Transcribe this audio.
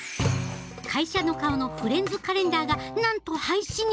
会社の顔のフレンズカレンダーがなんと廃止に！